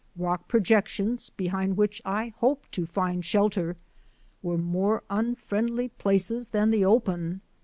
Rock projections, behind which I hoped to find shelter, were more unfriendly places than the open.